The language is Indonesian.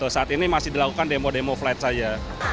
saat ini masih dilakukan demo demo flight saja